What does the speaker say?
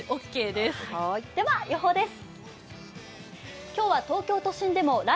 では、予報です。